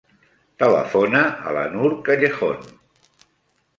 Telefona a la Noor Callejon.